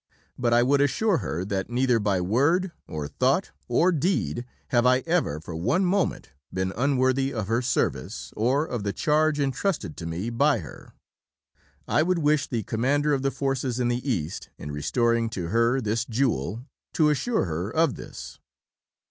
But I would assure Her that neither by word or thought or deed have I ever for one moment been unworthy of Her service or of the charge entrusted to me by Her. I would wish the Commander of the Forces in the East, in restoring to Her this jewel, to assure Her of this."